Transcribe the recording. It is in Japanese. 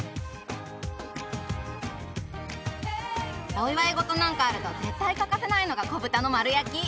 お祝い事なんかあると絶対欠かせないのが子豚の丸焼き！